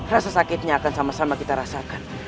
rasa sakitnya akan sama sama kita rasakan